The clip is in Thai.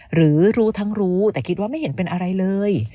หรือรู้ทั้งรู้แต่คิดว่าไม่เห็นเป็นอะไรเลย